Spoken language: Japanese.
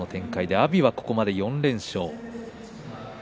阿炎はここまで４連勝です。